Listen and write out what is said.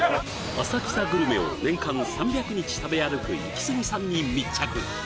浅草グルメを年間３００日食べ歩くイキスギさんに密着！